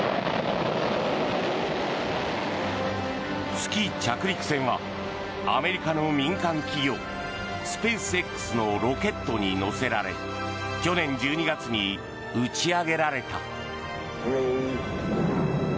月着陸船はアメリカの民間企業スペースＸのロケットに載せられ去年１２月に打ち上げられた。